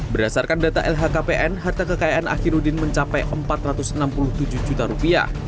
berdasarkan data lhkpn harta kekayaan akhirudin mencapai empat ratus enam puluh tujuh juta